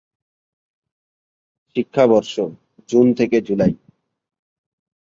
শিক্ষাবর্ষ: জুন থেকে জুলাই।